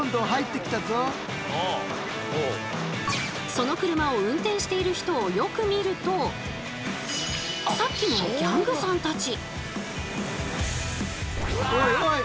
その車を運転している人をよく見るとさっきのギャングさんたち。